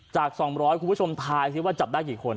จาก๒๐๐คุณผู้ชมทายสิว่าจับได้กี่คน